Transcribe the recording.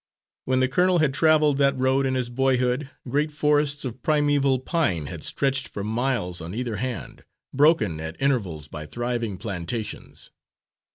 When the colonel had travelled that road in his boyhood, great forests of primeval pine had stretched for miles on either hand, broken at intervals by thriving plantations.